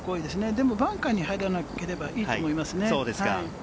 でもバンカーに入らなければいいと思いますね。